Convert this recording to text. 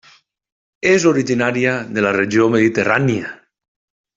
És originària de la regió mediterrània.